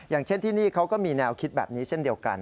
อย่างเช่นที่นี่เขาก็มีแนวคิดแบบนี้เช่นเดียวกัน